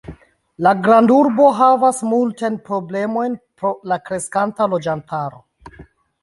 La grandurbo havas multajn problemojn pro la kreskanta loĝantaro.